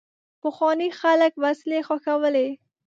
پخواني خلک وسلې ښخولې.